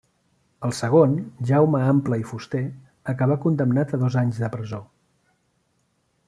El segon, Jaume Ample i Fuster, acabà condemnat a dos anys de presó.